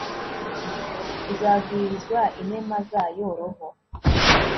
uzagwirizwa inema za yo: roho